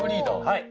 はい。